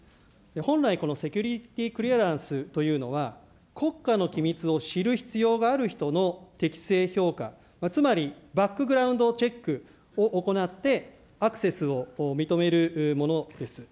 本来、このセキュリティクリアランスというのは、国家の機密を知る必要がある人の適正評価、つまりバックグラウンドチェックを行って、アクセスを認めるものです。